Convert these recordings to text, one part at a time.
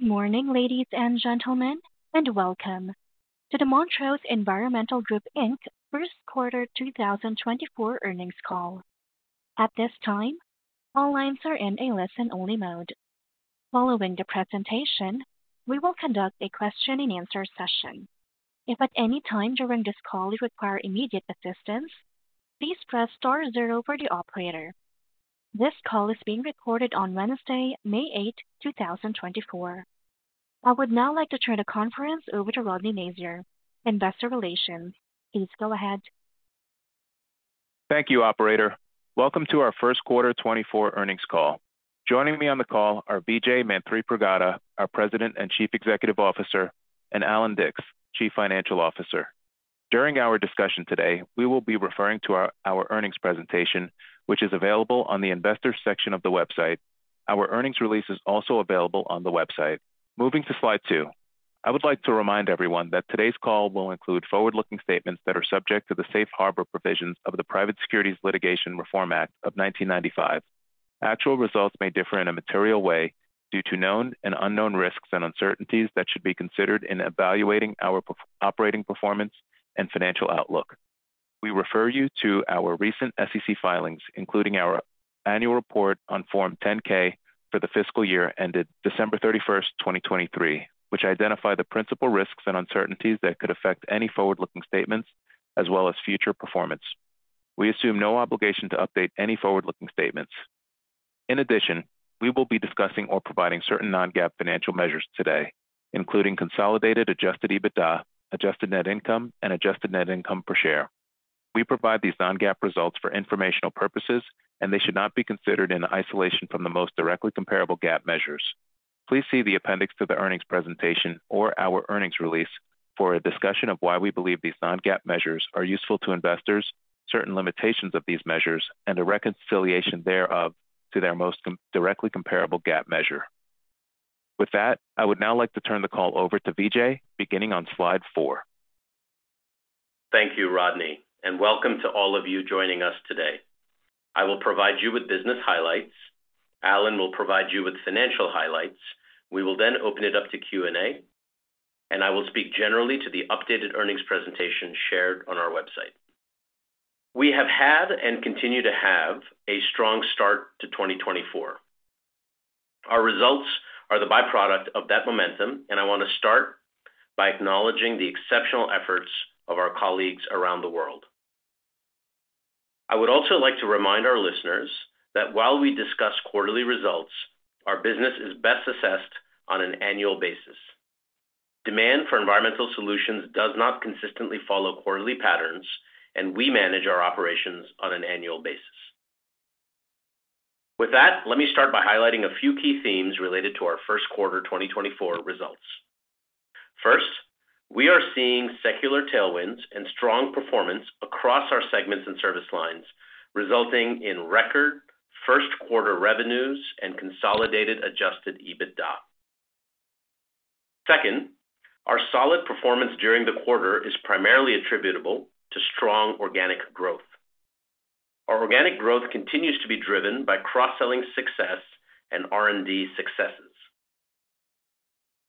Good morning, ladies and gentlemen, and welcome to the Montrose Environmental Group Inc. First Quarter 2024 Earnings Call. At this time, all lines are in a listen-only mode. Following the presentation, we will conduct a question-and-answer session. If at any time during this call you require immediate assistance, please press star zero for the operator. This call is being recorded on Wednesday, May 8, 2024. I would now like to turn the conference over to Rodny Nacier, Investor Relations. Please go ahead. Thank you, operator. Welcome to our First Quarter 2024 Earnings Call. Joining me on the call are Vijay Manthripragada, our President and Chief Executive Officer, and Allan Dicks, Chief Financial Officer. During our discussion today, we will be referring to our earnings presentation, which is available on the Investors section of the website. Our earnings release is also available on the website. Moving to slide two, I would like to remind everyone that today's call will include forward-looking statements that are subject to the Safe Harbor provisions of the Private Securities Litigation Reform Act of 1995. Actual results may differ in a material way due to known and unknown risks and uncertainties that should be considered in evaluating our operating performance and financial outlook. We refer you to our recent SEC filings, including our annual report on Form 10-K for the fiscal year ended December 31st, 2023, which identify the principal risks and uncertainties that could affect any forward-looking statements as well as future performance. We assume no obligation to update any forward-looking statements. In addition, we will be discussing or providing certain non-GAAP financial measures today, including consolidated Adjusted EBITDA, Adjusted Net Income, and Adjusted Net Income per share. We provide these non-GAAP results for informational purposes, and they should not be considered in isolation from the most directly comparable GAAP measures. Please see the appendix to the earnings presentation or our earnings release for a discussion of why we believe these non-GAAP measures are useful to investors, certain limitations of these measures, and a reconciliation thereof to their most directly comparable GAAP measure. With that, I would now like to turn the call over to Vijay, beginning on slide four. Thank you, Rodny, and welcome to all of you joining us today. I will provide you with business highlights, Allan will provide you with financial highlights, we will then open it up to Q&A, and I will speak generally to the updated earnings presentation shared on our website. We have had and continue to have a strong start to 2024. Our results are the byproduct of that momentum, and I want to start by acknowledging the exceptional efforts of our colleagues around the world. I would also like to remind our listeners that while we discuss quarterly results, our business is best assessed on an annual basis. Demand for environmental solutions does not consistently follow quarterly patterns, and we manage our operations on an annual basis. With that, let me start by highlighting a few key themes related to our first quarter 2024 results. First, we are seeing secular tailwinds and strong performance across our segments and service lines, resulting in record first quarter revenues and consolidated Adjusted EBITDA. Second, our solid performance during the quarter is primarily attributable to strong organic growth. Our organic growth continues to be driven by cross-selling success and R&D successes.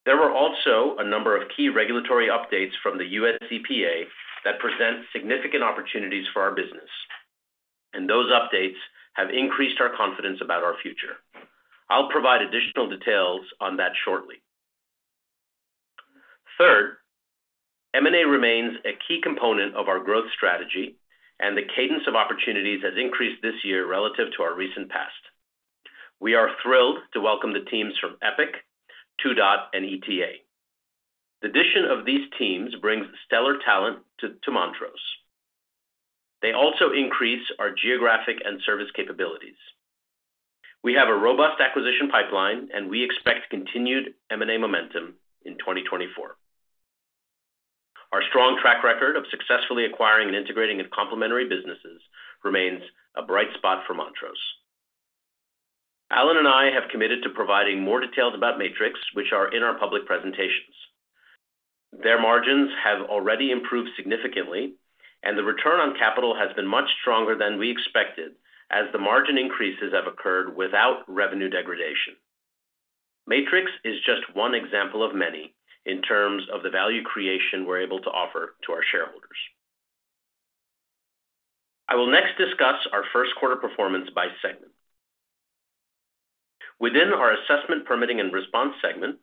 There were also a number of key regulatory updates from the U.S. EPA that present significant opportunities for our business, and those updates have increased our confidence about our future. I'll provide additional details on that shortly. Third, M&A remains a key component of our growth strategy, and the cadence of opportunities has increased this year relative to our recent past. We are thrilled to welcome the teams from Epic, 2DOT, and ETA. The addition of these teams brings stellar talent to Montrose. They also increase our geographic and service capabilities. We have a robust acquisition pipeline, and we expect continued M&A momentum in 2024. Our strong track record of successfully acquiring and integrating complementary businesses remains a bright spot for Montrose. Allan and I have committed to providing more details about Matrix, which are in our public presentations. Their margins have already improved significantly, and the return on capital has been much stronger than we expected as the margin increases have occurred without revenue degradation. Matrix is just one example of many in terms of the value creation we're able to offer to our shareholders. I will next discuss our first quarter performance by segment. Within our Assessment, Permitting, and Response segment,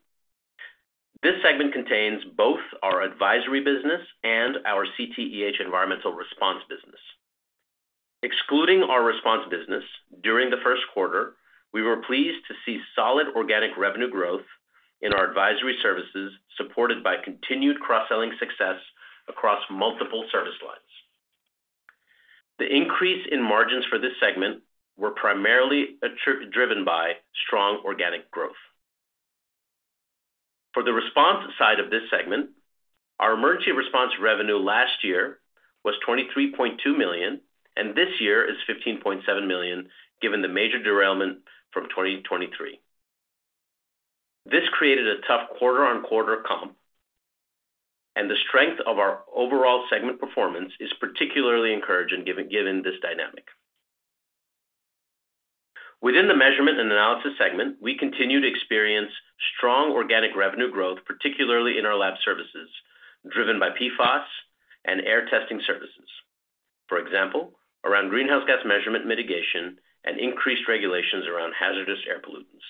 this segment contains both our advisory business and our CTEH Environmental Response Business. Excluding our response business, during the first quarter, we were pleased to see solid organic revenue growth in our advisory services supported by continued cross-selling success across multiple service lines. The increase in margins for this segment were primarily driven by strong organic growth. For the response side of this segment, our emergency response revenue last year was $23.2 million, and this year is $15.7 million given the major derailment from 2023. This created a tough quarter-on-quarter comp, and the strength of our overall segment performance is particularly encouraging given this dynamic. Within the measurement and analysis segment, we continue to experience strong organic revenue growth, particularly in our lab services, driven by PFOS and air testing services, for example, around greenhouse gas measurement mitigation and increased regulations around hazardous air pollutants.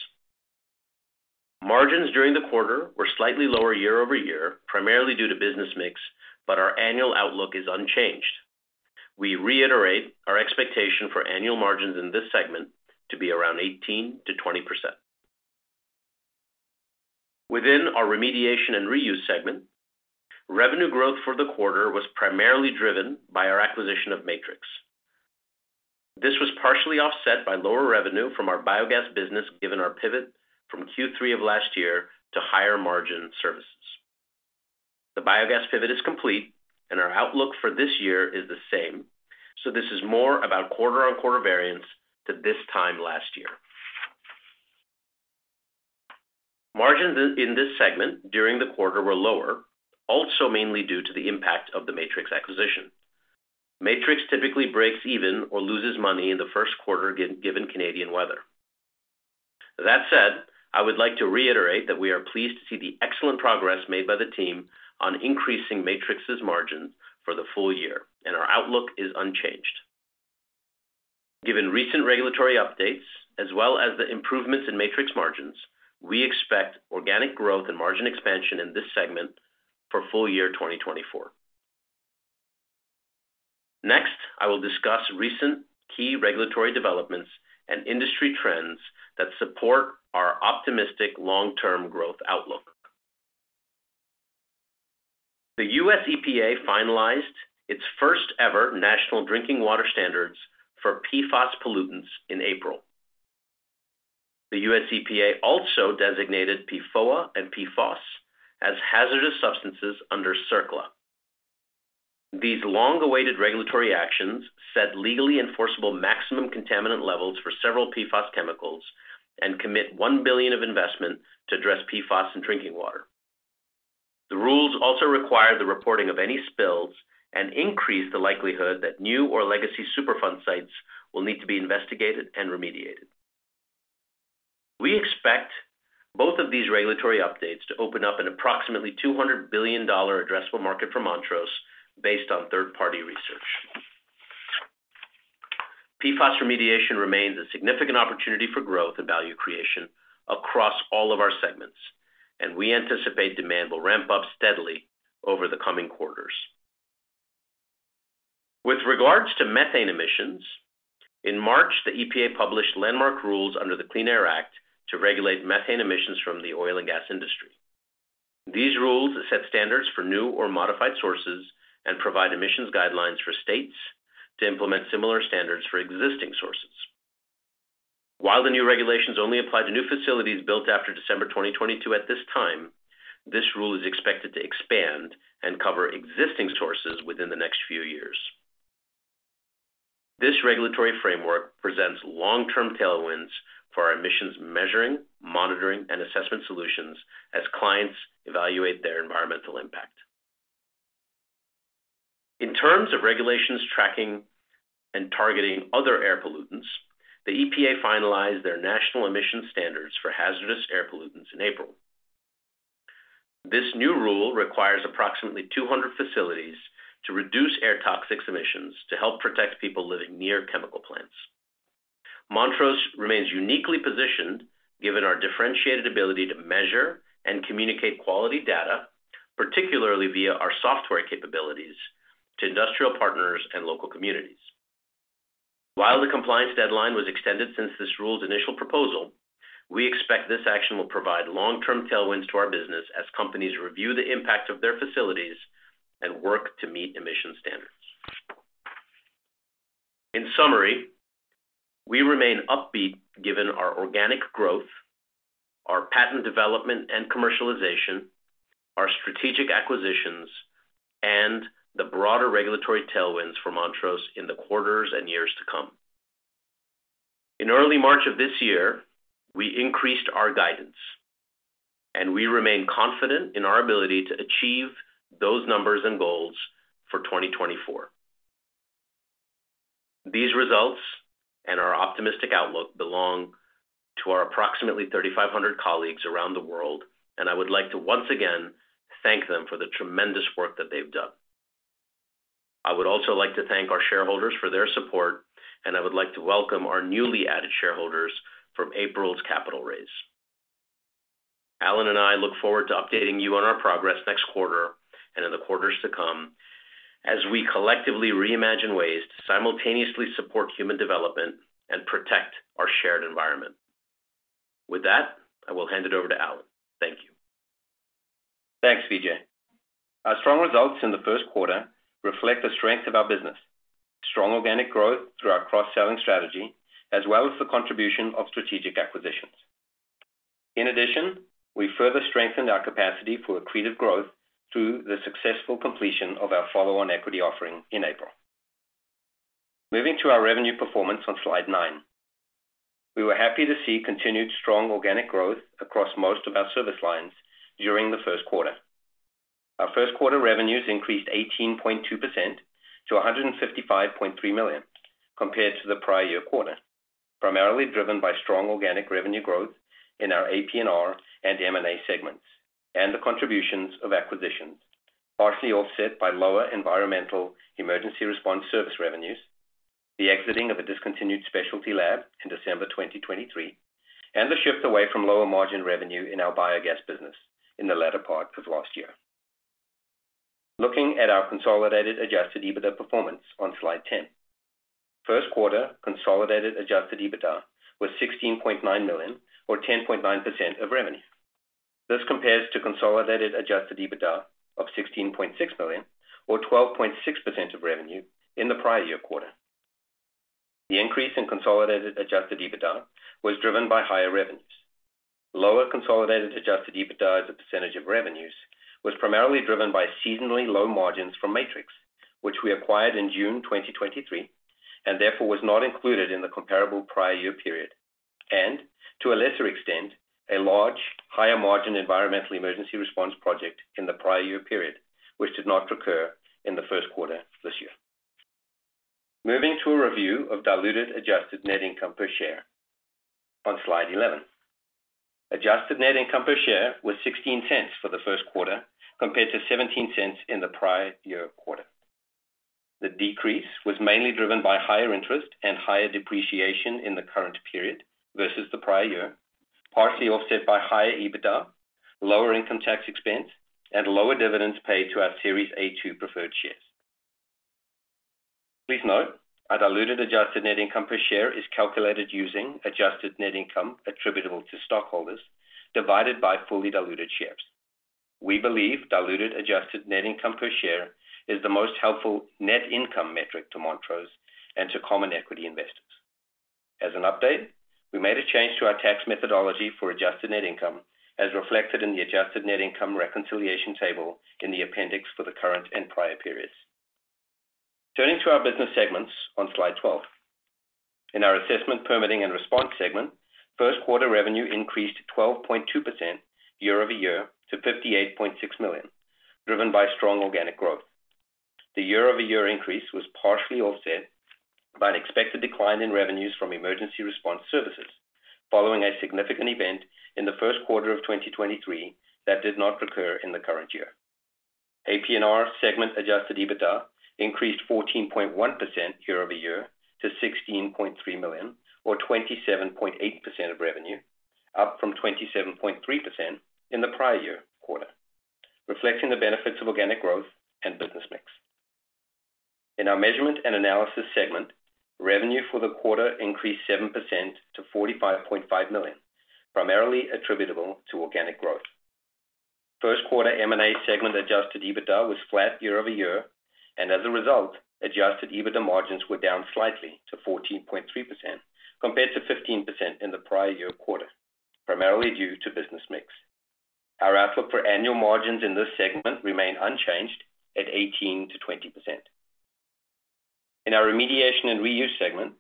Margins during the quarter were slightly lower year-over-year, primarily due to business mix, but our annual outlook is unchanged. We reiterate our expectation for annual margins in this segment to be around 18%-20%. Within our Remediation and Reuse segment, revenue growth for the quarter was primarily driven by our acquisition of Matrix. This was partially offset by lower revenue from our biogas business given our pivot from Q3 of last year to higher margin services. The biogas pivot is complete, and our outlook for this year is the same, so this is more about quarter-on-quarter variance to this time last year. Margins in this segment during the quarter were lower, also mainly due to the impact of the Matrix acquisition. Matrix typically breaks even or loses money in the first quarter given Canadian weather. That said, I would like to reiterate that we are pleased to see the excellent progress made by the team on increasing Matrix's margins for the full year, and our outlook is unchanged. Given recent regulatory updates as well as the improvements in Matrix margins, we expect organic growth and margin expansion in this segment for full year 2024. Next, I will discuss recent key regulatory developments and industry trends that support our optimistic long-term growth outlook. The U.S. EPA finalized its first-ever national drinking water standards for PFAS pollutants in April. The U.S. EPA also designated PFOA and PFAS as hazardous substances under CERCLA. These long-awaited regulatory actions set legally enforceable maximum contaminant levels for several PFAS chemicals and commit $1 billion of investment to address PFAS in drinking water. The rules also require the reporting of any spills and increase the likelihood that new or legacy Superfund sites will need to be investigated and remediated. We expect both of these regulatory updates to open up an approximately $200 billion addressable market for Montrose based on third-party research. PFAS remediation remains a significant opportunity for growth and value creation across all of our segments, and we anticipate demand will ramp up steadily over the coming quarters. With regards to methane emissions, in March the EPA published landmark rules under the Clean Air Act to regulate methane emissions from the oil and gas industry. These rules set standards for new or modified sources and provide emissions guidelines for states to implement similar standards for existing sources. While the new regulations only apply to new facilities built after December 2022 at this time, this rule is expected to expand and cover existing sources within the next few years. This regulatory framework presents long-term tailwinds for our emissions measuring, monitoring, and assessment solutions as clients evaluate their environmental impact. In terms of regulations tracking and targeting other air pollutants, the EPA finalized their national emissions standards for hazardous air pollutants in April. This new rule requires approximately 200 facilities to reduce air toxics emissions to help protect people living near chemical plants. Montrose remains uniquely positioned given our differentiated ability to measure and communicate quality data, particularly via our software capabilities, to industrial partners and local communities. While the compliance deadline was extended since this rule's initial proposal, we expect this action will provide long-term tailwinds to our business as companies review the impact of their facilities and work to meet emissions standards. In summary, we remain upbeat given our organic growth, our patent development and commercialization, our strategic acquisitions, and the broader regulatory tailwinds for Montrose in the quarters and years to come. In early March of this year, we increased our guidance, and we remain confident in our ability to achieve those numbers and goals for 2024. These results and our optimistic outlook belong to our approximately 3,500 colleagues around the world, and I would like to once again thank them for the tremendous work that they've done. I would also like to thank our shareholders for their support, and I would like to welcome our newly added shareholders from April's capital raise. Allan and I look forward to updating you on our progress next quarter and in the quarters to come as we collectively reimagine ways to simultaneously support human development and protect our shared environment. With that, I will hand it over to Allan. Thank you. Thanks, Vijay. Our strong results in the first quarter reflect the strength of our business: strong organic growth through our cross-selling strategy, as well as the contribution of strategic acquisitions. In addition, we further strengthened our capacity for accretive growth through the successful completion of our follow-on equity offering in April. Moving to our revenue performance on slide nine, we were happy to see continued strong organic growth across most of our service lines during the first quarter. Our first quarter revenues increased 18.2% to $155.3 million compared to the prior year quarter, primarily driven by strong organic revenue growth in our AP&R and M&A segments, and the contributions of acquisitions, partially offset by lower environmental emergency response service revenues, the exiting of a discontinued specialty lab in December 2023, and the shift away from lower margin revenue in our biogas business in the latter part of last year. Looking at our consolidated Adjusted EBITDA performance on slide 10, first quarter consolidated Adjusted EBITDA was $16.9 million or 10.9% of revenue. This compares to consolidated Adjusted EBITDA of $16.6 million or 12.6% of revenue in the prior year quarter. The increase in consolidated Adjusted EBITDA was driven by higher revenues. Lower consolidated Adjusted EBITDA as a percentage of revenues was primarily driven by seasonally low margins from Matrix, which we acquired in June 2023 and therefore was not included in the comparable prior year period, and to a lesser extent, a large, higher margin environmental emergency response project in the prior year period, which did not recur in the first quarter this year. Moving to a review of diluted Adjusted Net Income per share on slide 11, Adjusted Net Income per share was $0.16 for the first quarter compared to $0.17 in the prior year quarter. The decrease was mainly driven by higher interest and higher depreciation in the current period versus the prior year, partially offset by higher EBITDA, lower income tax expense, and lower dividends paid to our Series A2 preferred shares. Please note, our diluted Adjusted Net Income per share is calculated using Adjusted Net Income attributable to stockholders divided by fully diluted shares. We believe diluted Adjusted Net Income per share is the most helpful net income metric to Montrose and to common equity investors. As an update, we made a change to our tax methodology for Adjusted Net Income as reflected in the Adjusted Net Income reconciliation table in the appendix for the current and prior periods. Turning to our business segments on slide 12, in our Assessment, Permitting, and Response segment, first quarter revenue increased 12.2% year-over-year to $58.6 million, driven by strong organic growth. The year-over-year increase was partially offset by an expected decline in revenues from emergency response services following a significant event in the first quarter of 2023 that did not recur in the current year. AP&R segment Adjusted EBITDA increased 14.1% year-over-year to $16.3 million or 27.8% of revenue, up from 27.3% in the prior year quarter, reflecting the benefits of organic growth and business mix. In our Measurement and Analysis segment, revenue for the quarter increased 7% to $45.5 million, primarily attributable to organic growth. First quarter M&A segment Adjusted EBITDA was flat year-over-year, and as a result, Adjusted EBITDA margins were down slightly to 14.3% compared to 15% in the prior year quarter, primarily due to business mix. Our outlook for annual margins in this segment remained unchanged at 18%-20%. In our Remediation and Reuse segment,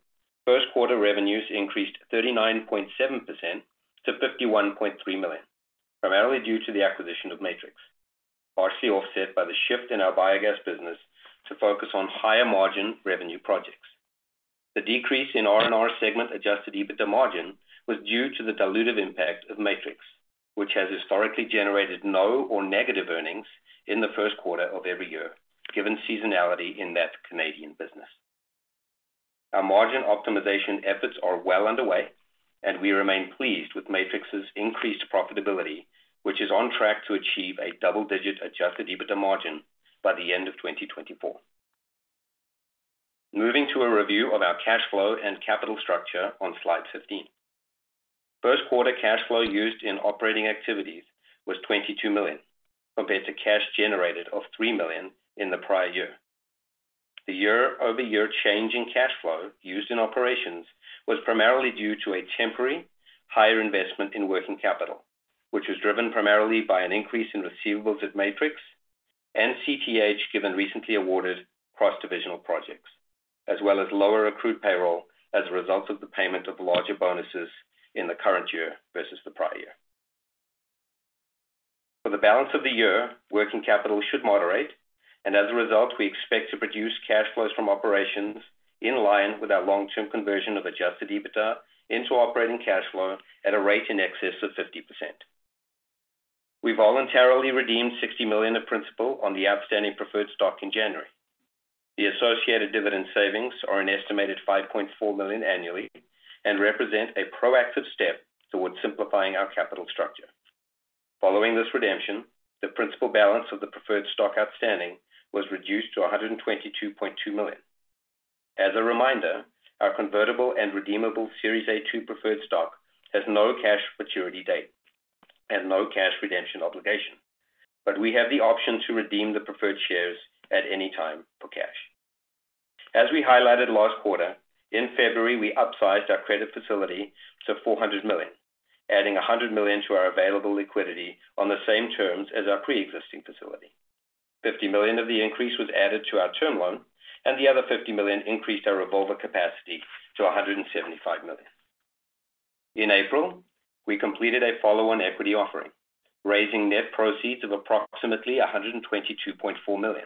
first quarter revenues increased 39.7% to $51.3 million, primarily due to the acquisition of Matrix, partially offset by the shift in our biogas business to focus on higher margin revenue projects. The decrease in R&R segment Adjusted EBITDA margin was due to the dilutive impact of Matrix, which has historically generated no or negative earnings in the first quarter of every year given seasonality in that Canadian business. Our margin optimization efforts are well underway, and we remain pleased with Matrix's increased profitability, which is on track to achieve a double-digit Adjusted EBITDA margin by the end of 2024. Moving to a review of our cash flow and capital structure on slide 15, first quarter cash flow used in operating activities was $22 million compared to cash generated of $3 million in the prior year. The year-over-year change in cash flow used in operations was primarily due to a temporary, higher investment in working capital, which was driven primarily by an increase in receivables at Matrix and CTEH given recently awarded cross-divisional projects, as well as lower accrued payroll as a result of the payment of larger bonuses in the current year versus the prior year. For the balance of the year, working capital should moderate, and as a result, we expect to produce cash flows from operations in line with our long-term conversion of Adjusted EBITDA into operating cash flow at a rate in excess of 50%. We voluntarily redeemed $60 million of principal on the outstanding preferred stock in January. The associated dividend savings are an estimated $5.4 million annually and represent a proactive step towards simplifying our capital structure. Following this redemption, the principal balance of the preferred stock outstanding was reduced to $122.2 million. As a reminder, our convertible and redeemable Series A2 Preferred Stock has no cash maturity date and no cash redemption obligation, but we have the option to redeem the preferred shares at any time for cash. As we highlighted last quarter, in February, we upsized our credit facility to $400 million, adding $100 million to our available liquidity on the same terms as our pre-existing facility. $50 million of the increase was added to our term loan, and the other $50 million increased our revolver capacity to $175 million. In April, we completed a follow-on equity offering, raising net proceeds of approximately $122.4 million.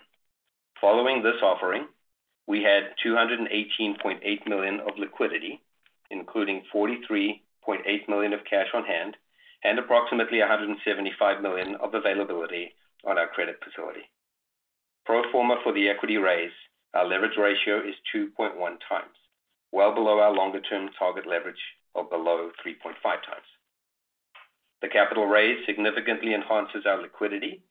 Following this offering, we had $218.8 million of liquidity, including $43.8 million of cash on hand and approximately $175 million of availability on our credit facility. Pro forma for the equity raise, our leverage ratio is 2.1 times, well below our longer-term target leverage of below 3.5 times. The capital raise significantly enhances our liquidity,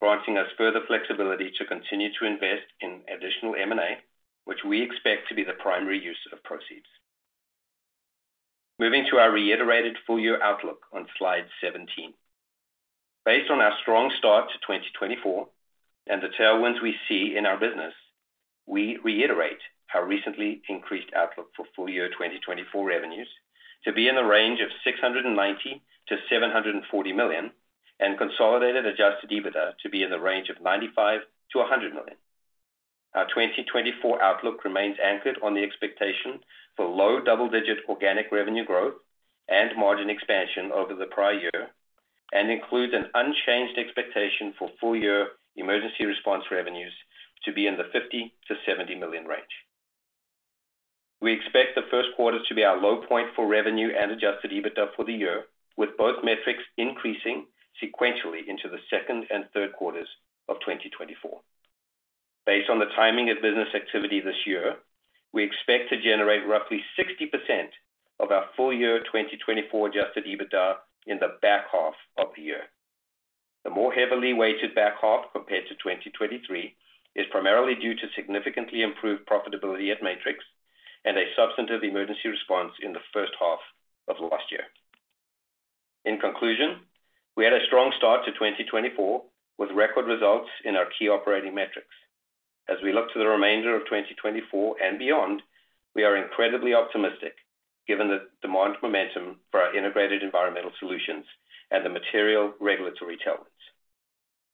granting us further flexibility to continue to invest in additional M&A, which we expect to be the primary use of proceeds. Moving to our reiterated full-year outlook on slide 17, based on our strong start to 2024 and the tailwinds we see in our business, we reiterate our recently increased outlook for full-year 2024 revenues to be in the range of $690 million-$740 million and consolidated Adjusted EBITDA to be in the range of $95 million-$100 million. Our 2024 outlook remains anchored on the expectation for low double-digit organic revenue growth and margin expansion over the prior year and includes an unchanged expectation for full-year emergency response revenues to be in the $50 million-$70 million range. We expect the first quarters to be our low point for revenue and Adjusted EBITDA for the year, with both metrics increasing sequentially into the second and third quarters of 2024. Based on the timing of business activity this year, we expect to generate roughly 60% of our full-year 2024 Adjusted EBITDA in the back half of the year. The more heavily weighted back half compared to 2023 is primarily due to significantly improved profitability at Matrix and a substantive emergency response in the first half of last year. In conclusion, we had a strong start to 2024 with record results in our key operating metrics. As we look to the remainder of 2024 and beyond, we are incredibly optimistic given the demand momentum for our integrated environmental solutions and the material regulatory tailwinds.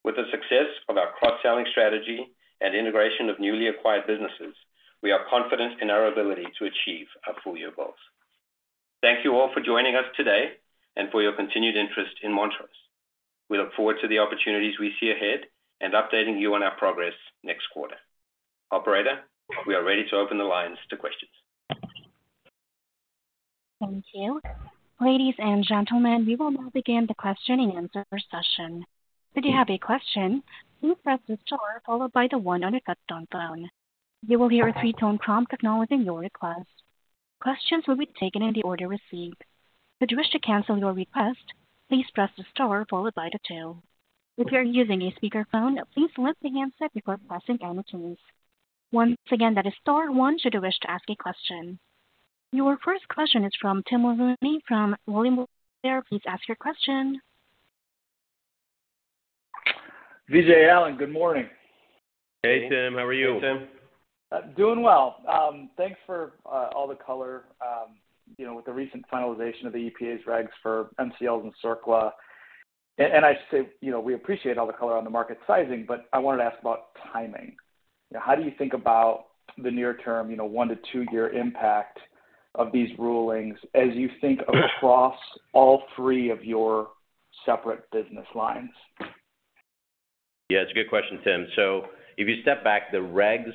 With the success of our cross-selling strategy and integration of newly acquired businesses, we are confident in our ability to achieve our full-year goals. Thank you all for joining us today and for your continued interest in Montrose. We look forward to the opportunities we see ahead and updating you on our progress next quarter. Operator, we are ready to open the lines to questions. Thank you. Ladies and gentlemen, we will now begin the question and answer session. If you have a question, please press the star followed by the one on your cell phone. You will hear a three-tone prompt acknowledging your request. Questions will be taken in the order received. If you wish to cancel your request, please press the star followed by the two If you are using a speakerphone, please lift the handset before pressing any keys. Once again, that is star one should you wish to ask a question. Your first question is from Tim Mulrooney from William Blair. There, please ask your question. Vijay, Allan, good morning. Hey, Tim. How are you? Hey, Tim. Doing well. Thanks for all the color with the recent finalization of the EPA's regs for MCLs and CERCLA. I should say we appreciate all the color on the market sizing, but I wanted to ask about timing. How do you think about the near-term one to two-year impact of these rulings as you think across all three of your separate business lines? Yeah, it's a good question, Tim. So if you step back, the regs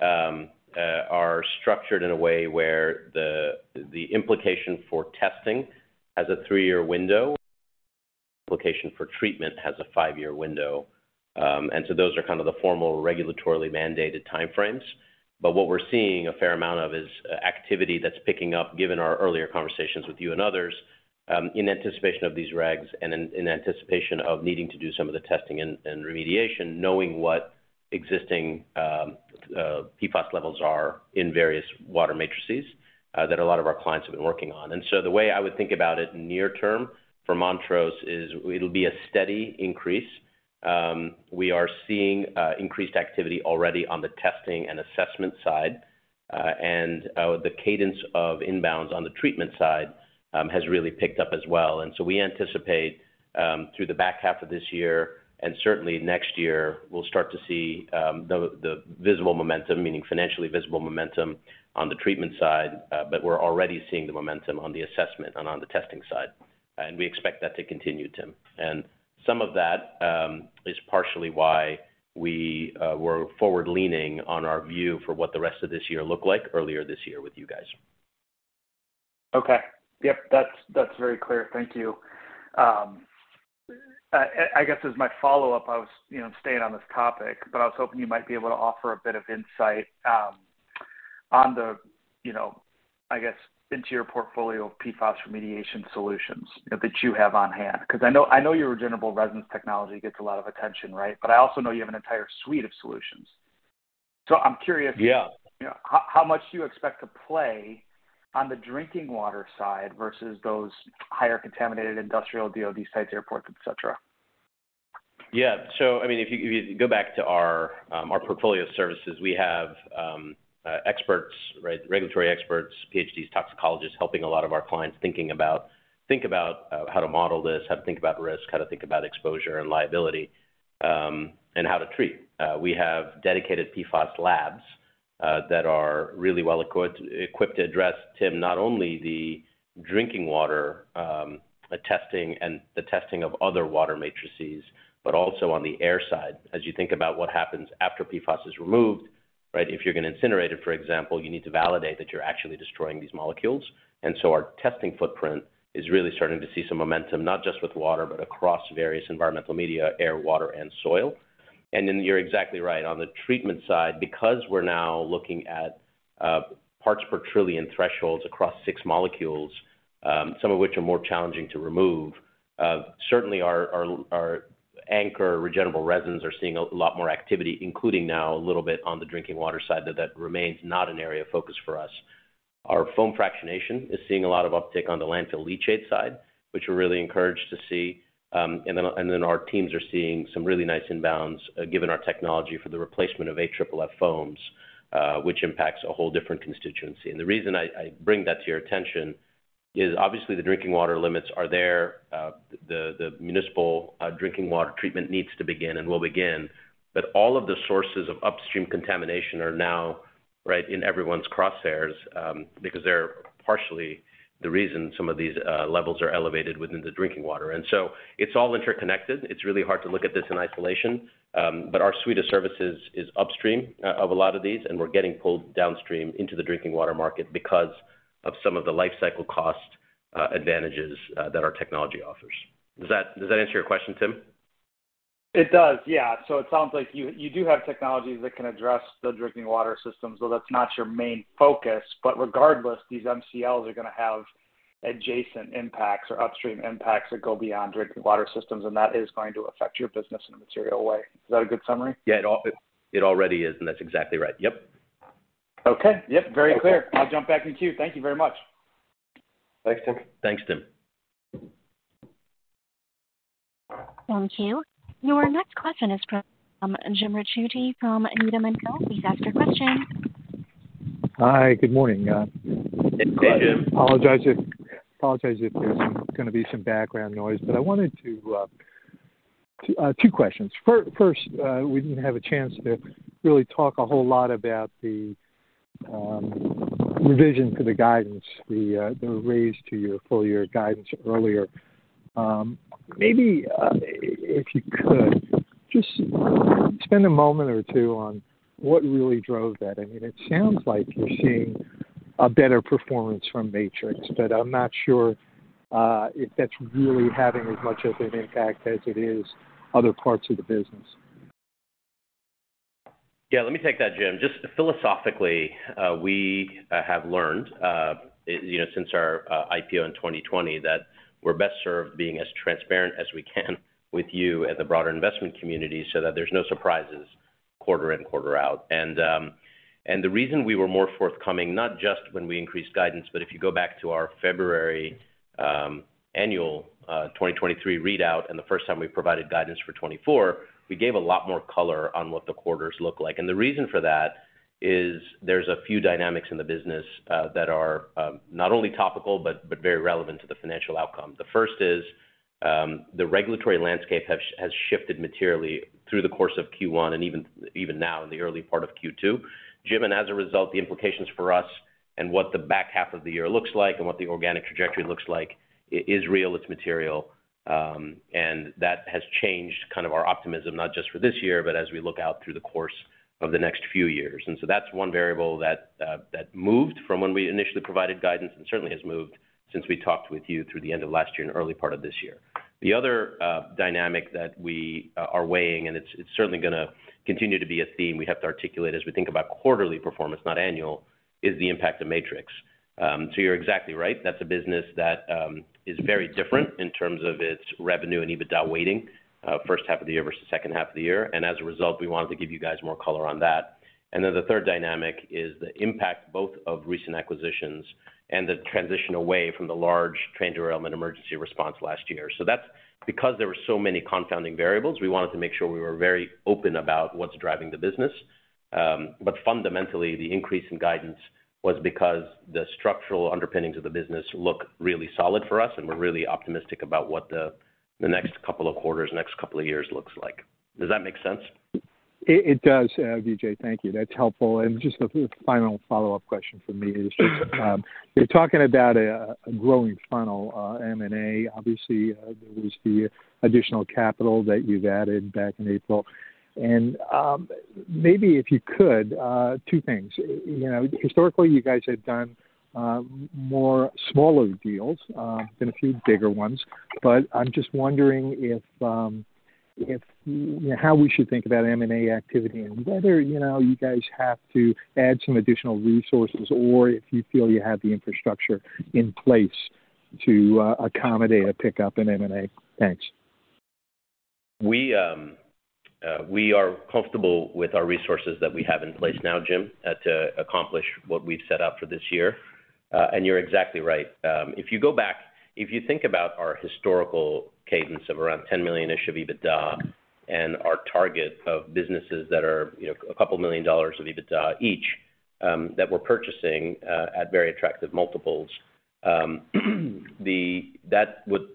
are structured in a way where the implication for testing has a three-year window, implication for treatment has a five-year window. And so those are kind of the formal regulatorily mandated timeframes. But what we're seeing a fair amount of is activity that's picking up, given our earlier conversations with you and others, in anticipation of these regs and in anticipation of needing to do some of the testing and remediation, knowing what existing PFAS levels are in various water matrices that a lot of our clients have been working on. And so the way I would think about it near-term for Montrose is it'll be a steady increase. We are seeing increased activity already on the testing and assessment side, and the cadence of inbounds on the treatment side has really picked up as well. So we anticipate through the back half of this year and certainly next year, we'll start to see the visible momentum, meaning financially visible momentum on the treatment side, but we're already seeing the momentum on the assessment and on the testing side. We expect that to continue, Tim. Some of that is partially why we were forward-leaning on our view for what the rest of this year looked like earlier this year with you guys. Okay. Yep, that's very clear. Thank you. I guess as my follow-up, I was staying on this topic, but I was hoping you might be able to offer a bit of insight on the, I guess, into your portfolio of PFAS remediation solutions that you have on hand. Because I know your regenerable resins technology gets a lot of attention, right? But I also know you have an entire suite of solutions. So I'm curious how much you expect to play on the drinking water side versus those higher contaminated industrial DOD sites, airports, etc. Yeah. So I mean, if you go back to our portfolio services, we have experts, regulatory experts, PhDs, Toxicologists helping a lot of our clients think about how to model this, how to think about risk, how to think about exposure and liability, and how to treat. We have dedicated PFAS labs that are really well equipped to address, Tim, not only the drinking water testing and the testing of other water matrices, but also on the air side. As you think about what happens after PFAS is removed, right? If you're going to incinerate it, for example, you need to validate that you're actually destroying these molecules. And so our testing footprint is really starting to see some momentum, not just with water, but across various environmental media, air, water, and soil. You're exactly right. On the treatment side, because we're now looking at parts per trillion thresholds across six molecules, some of which are more challenging to remove, certainly our anchor regenerable resins are seeing a lot more activity, including now a little bit on the drinking water side that remains not an area of focus for us. Our foam fractionation is seeing a lot of uptick on the landfill leachate side, which we're really encouraged to see. And then our teams are seeing some really nice inbounds given our technology for the replacement of AFFF foams, which impacts a whole different constituency. And the reason I bring that to your attention is obviously the drinking water limits are there. The municipal drinking water treatment needs to begin and will begin. But all of the sources of upstream contamination are now right in everyone's crosshairs because they're partially the reason some of these levels are elevated within the drinking water. And so it's all interconnected. It's really hard to look at this in isolation. But our suite of services is upstream of a lot of these, and we're getting pulled downstream into the drinking water market because of some of the lifecycle cost advantages that our technology offers. Does that answer your question, Tim? It does. Yeah. So it sounds like you do have technologies that can address the drinking water systems, though that's not your main focus. But regardless, these MCLs are going to have adjacent impacts or upstream impacts that go beyond drinking water systems, and that is going to affect your business in a material way. Is that a good summary? Yeah, it already is, and that's exactly right. Yep. Okay. Yep, very clear. I'll jump back to you. Thank you very much. Thanks, Tim. Thanks, Tim. Thank you. Your next question is from Jim Ricchiuti from Needham & Company. Please ask your question. Hi. Good morning. Hey, Jim. I apologize if there's going to be some background noise, but I wanted to ask two questions. First, we didn't have a chance to really talk a whole lot about the revision to the guidance, the raise to your full-year guidance earlier. Maybe if you could, just spend a moment or two on what really drove that. I mean, it sounds like you're seeing a better performance from Matrix, but I'm not sure if that's really having as much of an impact as it is other parts of the business. Yeah, let me take that, Jim. Just philosophically, we have learned since our IPO in 2020 that we're best served being as transparent as we can with you and the broader investment community so that there's no surprises quarter in, quarter out. And the reason we were more forthcoming, not just when we increased guidance, but if you go back to our February annual 2023 readout and the first time we provided guidance for 2024, we gave a lot more color on what the quarters look like. And the reason for that is there's a few dynamics in the business that are not only topical, but very relevant to the financial outcome. The first is the regulatory landscape has shifted materially through the course of Q1 and even now in the early part of Q2. Jim, and as a result, the implications for us and what the back half of the year looks like and what the organic trajectory looks like is real. It's material. And that has changed kind of our optimism, not just for this year, but as we look out through the course of the next few years. And so that's one variable that moved from when we initially provided guidance and certainly has moved since we talked with you through the end of last year and early part of this year. The other dynamic that we are weighing, and it's certainly going to continue to be a theme we have to articulate as we think about quarterly performance, not annual, is the impact of Matrix. So you're exactly right. That's a business that is very different in terms of its revenue and EBITDA weighting, first half of the year versus second half of the year. And as a result, we wanted to give you guys more color on that. And then the third dynamic is the impact both of recent acquisitions and the transition away from the large transitional element emergency response last year. So that's because there were so many confounding variables, we wanted to make sure we were very open about what's driving the business. But fundamentally, the increase in guidance was because the structural underpinnings of the business look really solid for us, and we're really optimistic about what the next couple of quarters, next couple of years looks like. Does that make sense? It does, Vijay. Thank you. That's helpful. And just a final follow-up question for me is just you're talking about a growing funnel M&A. Obviously, there was the additional capital that you've added back in April. And maybe if you could, two things. Historically, you guys have done more smaller deals than a few bigger ones. But I'm just wondering how we should think about M&A activity and whether you guys have to add some additional resources or if you feel you have the infrastructure in place to accommodate a pickup in M&A. Thanks. We are comfortable with our resources that we have in place now, Jim, to accomplish what we've set up for this year. You're exactly right. If you go back, if you think about our historical cadence of around $10 million-ish of EBITDA and our target of businesses that are a couple of million dollars of EBITDA each that we're purchasing at very attractive multiples, that would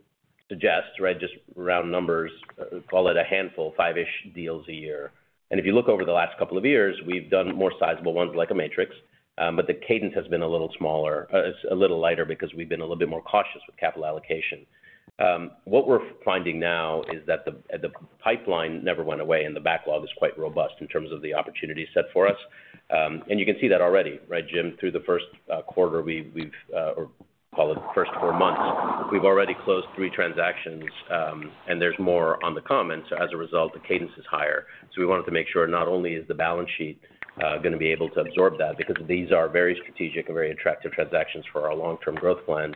suggest, right, just round numbers, call it a handful, five-ish deals a year. If you look over the last couple of years, we've done more sizable ones like a Matrix, but the cadence has been a little smaller, a little lighter because we've been a little bit more cautious with capital allocation. What we're finding now is that the pipeline never went away, and the backlog is quite robust in terms of the opportunities set for us. You can see that already, right, Jim? Through the first quarter, we've or call it the first four months, we've already closed three transactions, and there's more on the comments. So as a result, the cadence is higher. So we wanted to make sure not only is the balance sheet going to be able to absorb that because these are very strategic and very attractive transactions for our long-term growth plans,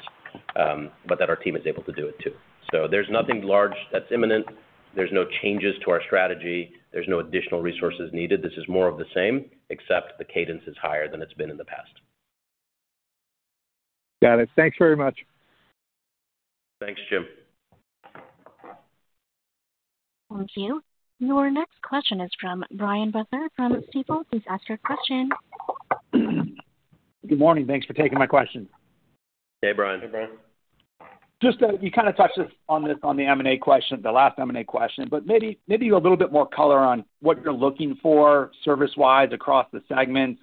but that our team is able to do it too. So there's nothing large that's imminent. There's no changes to our strategy. There's no additional resources needed. This is more of the same, except the cadence is higher than it's been in the past. Got it. Thanks very much. Thanks, Jim. Thank you. Your next question is from Brian Butler from Stifel. Please ask your question. Good morning. Thanks for taking my question. Hey, Brian. Hey, Brian. Just that you kind of touched on this on the M&A question, the last M&A question, but maybe a little bit more color on what you're looking for service-wise across the segments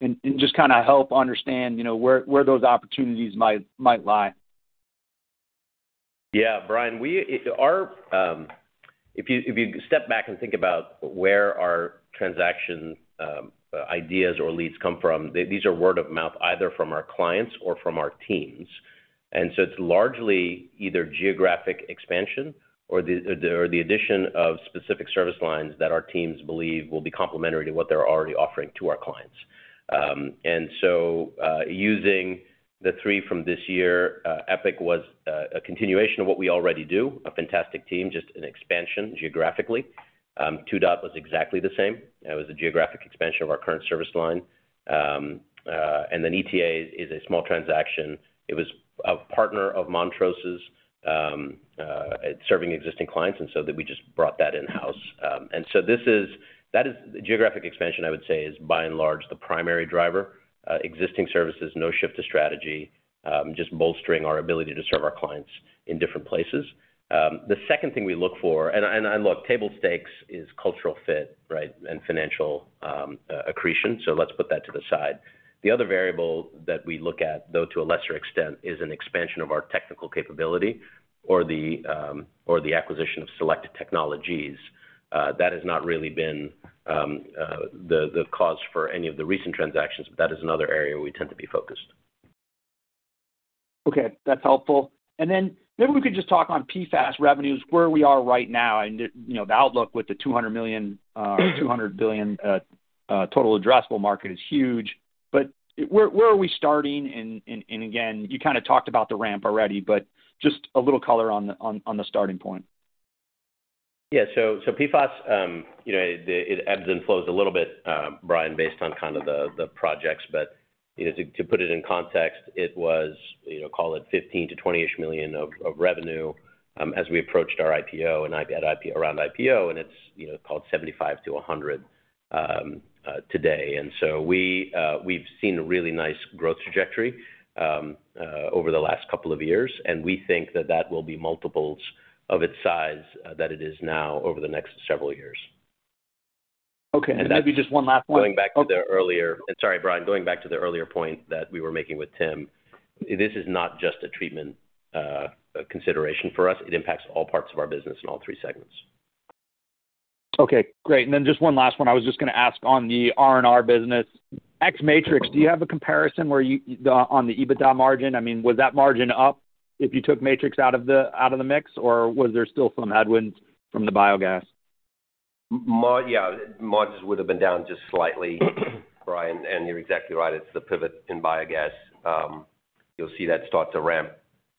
and just kind of help understand where those opportunities might lie. Yeah, Brian. If you step back and think about where our transaction ideas or leads come from, these are word of mouth either from our clients or from our teams. And so it's largely either geographic expansion or the addition of specific service lines that our teams believe will be complementary to what they're already offering to our clients. And so using the three from this year, Epic was a continuation of what we already do, a fantastic team, just an expansion geographically. 2DOT was exactly the same. It was a geographic expansion of our current service line. And then ETA is a small transaction. It was a partner of Montrose's serving existing clients, and so we just brought that in-house. And so that geographic expansion, I would say, is by and large the primary driver, existing services, no shift to strategy, just bolstering our ability to serve our clients in different places. The second thing we look for, table stakes is cultural fit, right, and financial accretion. So let's put that to the side. The other variable that we look at, though to a lesser extent, is an expansion of our technical capability or the acquisition of selected technologies. That has not really been the cause for any of the recent transactions, but that is another area we tend to be focused. Okay. That's helpful. And then maybe we could just talk on PFAS revenues, where we are right now. I mean, the outlook with the $200 million or $200 billion total addressable market is huge. But where are we starting? And again, you kind of talked about the ramp already, but just a little color on the starting point. Yeah. So PFAS, it ebbs and flows a little bit, Brian, based on kind of the projects. But to put it in context, it was, call it, $15-$20-ish million of revenue as we approached our IPO and around IPO. And it's $75-$100 million today. And so we've seen a really nice growth trajectory over the last couple of years. And we think that that will be multiples of its size that it is now over the next several years. Okay. Maybe just one last one. That's going back to the earlier, sorry, Brian, going back to the earlier point that we were making with Tim. This is not just a treatment consideration for us. It impacts all parts of our business in all three segments. Okay. Great. And then just one last one. I was just going to ask on the R&R business, ex-Matrix, do you have a comparison on the EBITDA margin? I mean, was that margin up if you took Matrix out of the mix, or was there still some headwinds from the biogas? Yeah. Margins would have been down just slightly, Brian. And you're exactly right. It's the pivot in Biogas. You'll see that start to ramp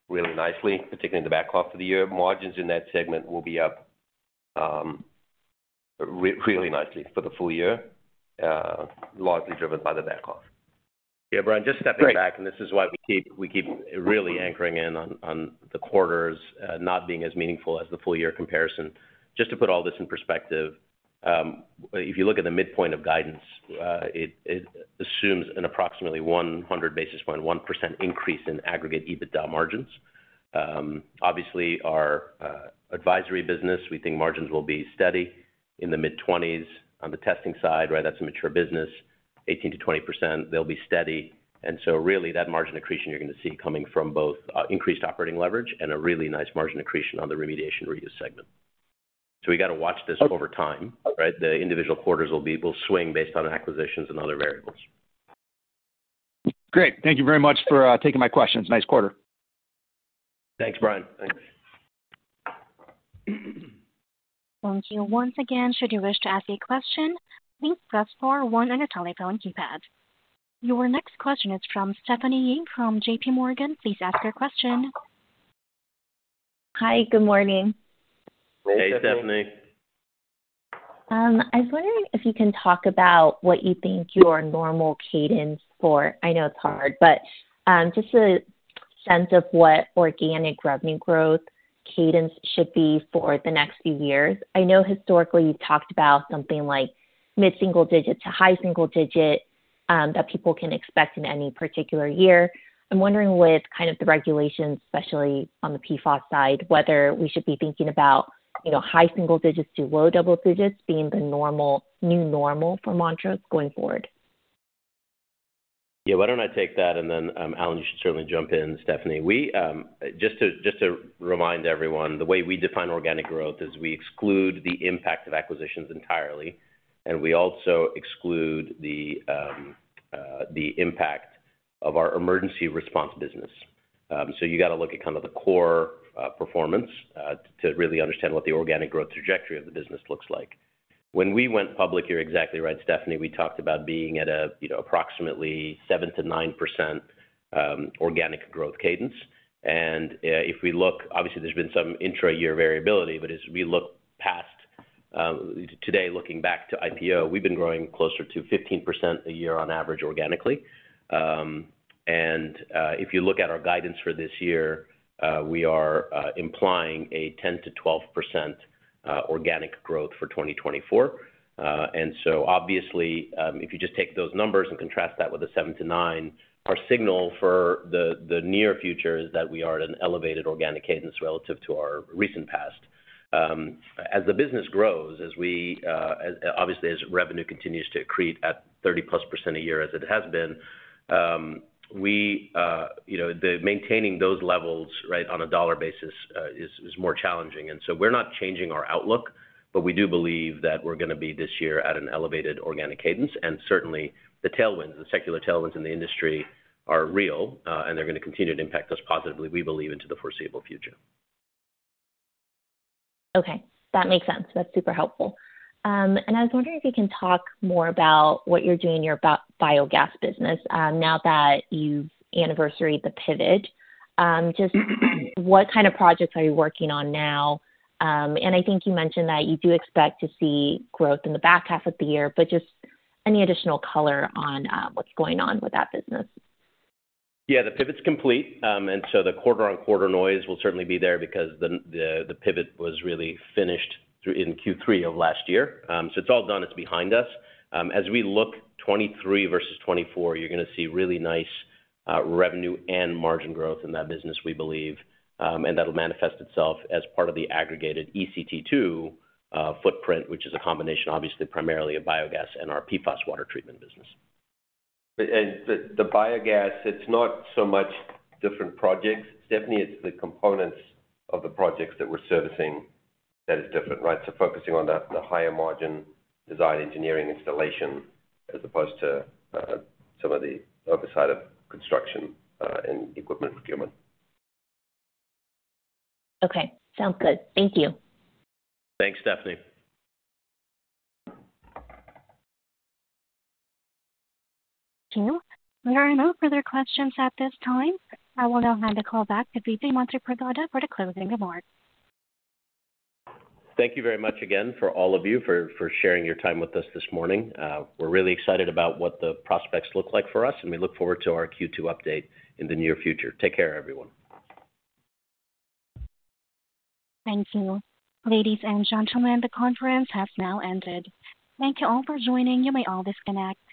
really nicely, particularly in the back half of the year. Margins in that segment will be up really nicely for the full year, largely driven by the back off. Yeah, Brian, just stepping back, and this is why we keep really anchoring in on the quarters not being as meaningful as the full-year comparison. Just to put all this in perspective, if you look at the midpoint of guidance, it assumes an approximately 100 basis point, 1% increase in aggregate EBITDA margins. Obviously, our advisory business, we think margins will be steady in the mid-20s. On the testing side, right, that's a mature business, 18%-20%, they'll be steady. Really, that margin accretion you're going to see coming from both increased operating leverage and a really nice margin accretion on the Remediation Reuse segment. We got to watch this over time, right? The individual quarters will swing based on acquisitions and other variables. Great. Thank you very much for taking my questions. Nice quarter. Thanks, Brian. Thanks. Thank you. Once again, should you wish to ask a question, please press four, one, and your telephone keypad. Your next question is from Stephanie Yee from J.P. Morgan. Please ask your question. Hi. Good morning. Hey, Stephanie. I was wondering if you can talk about what you think your normal cadence for. I know it's hard, but just a sense of what organic revenue growth cadence should be for the next few years. I know historically, you've talked about something like mid-single digit to high single digit that people can expect in any particular year. I'm wondering with kind of the regulations, especially on the PFAS side, whether we should be thinking about high single digits to low double digits being the new normal for Montrose going forward. Yeah. Why don't I take that? And then, Allan, you should certainly jump in, Stephanie. Just to remind everyone, the way we define organic growth is we exclude the impact of acquisitions entirely, and we also exclude the impact of our emergency response business. So you got to look at kind of the core performance to really understand what the organic growth trajectory of the business looks like. When we went public, you're exactly right, Stephanie. We talked about being at approximately 7%-9% organic growth cadence. And if we look obviously, there's been some intra-year variability. But as we look past today, looking back to IPO, we've been growing closer to 15% a year on average organically. And if you look at our guidance for this year, we are implying a 10%-12% organic growth for 2024. And so obviously, if you just take those numbers and contrast that with a seven to nine, our signal for the near future is that we are at an elevated organic cadence relative to our recent past. As the business grows, obviously, as revenue continues to accrete at 30%+ a year as it has been, maintaining those levels, right, on a dollar basis is more challenging. And so we're not changing our outlook, but we do believe that we're going to be this year at an elevated organic cadence. And certainly, the tailwinds, the secular tailwinds in the industry are real, and they're going to continue to impact us positively, we believe, into the foreseeable future. Okay. That makes sense. That's super helpful. I was wondering if you can talk more about what you're doing in your biogas business now that you've anniversaried the pivot. Just what kind of projects are you working on now? I think you mentioned that you do expect to see growth in the back half of the year, but just any additional color on what's going on with that business. Yeah. The pivot's complete. And so the quarter-on-quarter noise will certainly be there because the pivot was really finished in Q3 of last year. So it's all done. It's behind us. As we look 2023 versus 2024, you're going to see really nice revenue and margin growth in that business, we believe. And that'll manifest itself as part of the aggregated ECT2 footprint, which is a combination, obviously, primarily of biogas and our PFAS water treatment business. The biogas, it's not so much different projects. Stephanie, it's the components of the projects that we're servicing that is different, right? Focusing on the higher margin design engineering installation as opposed to some of the oversight of construction and equipment procurement. Okay. Sounds good. Thank you. Thanks, Stephanie. Thank you. There are no further questions at this time. I will now hand the call back to Vijay Manthripragada for the closing remarks. Thank you very much again for all of you, for sharing your time with us this morning. We're really excited about what the prospects look like for us, and we look forward to our Q2 update in the near future. Take care, everyone. Thank you. Ladies and gentlemen, the conference has now ended. Thank you all for joining. You may all disconnect.